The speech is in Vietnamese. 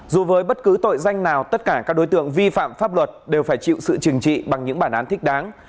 dù với bất cứ tội danh nào tất cả các đối tượng vi phạm pháp luật đều phải chịu sự trừng trị bằng những bản án thích đáng